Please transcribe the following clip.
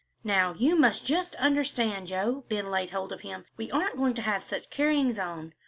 "Now you must just understand, Joe," Ben laid hold of him; "we aren't going to have such carryings on.